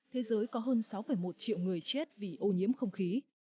thế giới có hơn sáu một triệu người chết vì ô nhiễm không khí